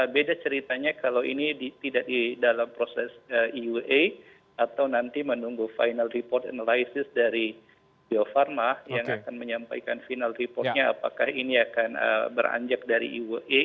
beda ceritanya kalau ini tidak di dalam proses eua atau nanti menunggu final report analysis dari bio farma yang akan menyampaikan final reportnya apakah ini akan beranjak dari uae